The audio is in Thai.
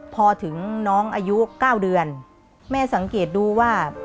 พอถึงน้องอายุ๙เดือนแม่สังเกตดูว่า